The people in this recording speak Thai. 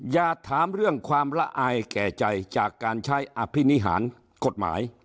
อย่าถามเรื่องความละอายแก่ใจจากการใช้อภินิหารกฎหมาย